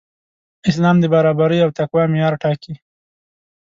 اسلام د برابرۍ او تقوی معیار ټاکي.